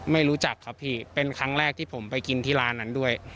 ไม่รู้จักครับพี่เป็นครั้งแรกที่ผมไปกินที่ร้านนั้นด้วย